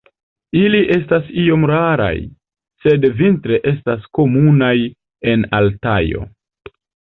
Ili estas iom raraj, sed vintre estas komunaj en Altajo.